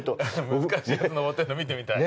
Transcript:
難しいやつ登ってんの見てみたい。